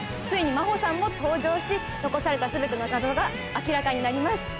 ついに真帆さんも登場し残された全ての謎が明らかになります